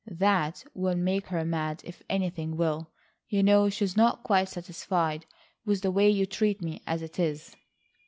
That will make her mad if anything will. You know she is not quite satisfied with the way you treat me, as it is."